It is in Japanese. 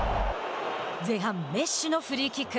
前半、メッシのフリーキック。